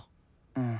うん。